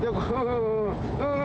うん！